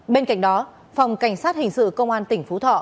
bên cạnh đó phòng cảnh sát hình sự công an tỉnh phú thọ